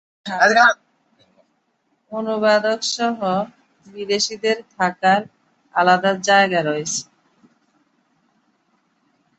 অনুবাদক সহ বিদেশীদের থাকার আলাদা জায়গা রয়েছে।